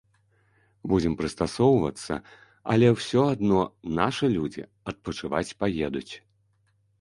Будзем прыстасоўвацца, але ўсё адно нашы людзі адпачываць паедуць.